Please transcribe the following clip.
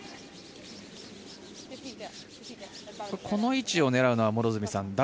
この位置を狙うのは両角さん